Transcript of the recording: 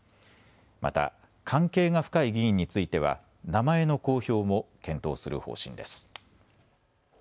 また関係が深い議員については名前の公表も検討する方針です。